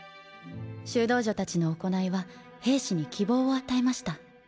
修道女たちの行いは兵士に希望を与えました。